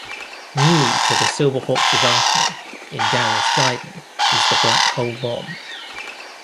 New to the Silver Hawk's arsenal in Darius Gaiden is the 'black hole bomb.